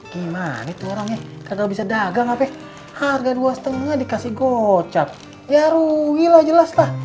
gimana itu orangnya karena bisa dagang hp harga dua lima dikasih gocap ya rugi lah jelas lah